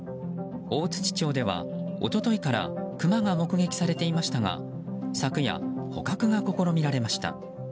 大槌町では一昨日からクマが目撃されていましたが昨夜、捕獲が試みられました。